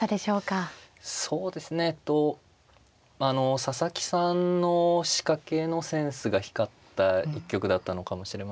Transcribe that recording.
そうですねあの佐々木さんの仕掛けのセンスが光った一局だったのかもしれませんね。